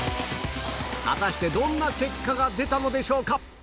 果たしてどんな結果が出たのでしょうか？